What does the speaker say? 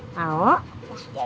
mau ya udah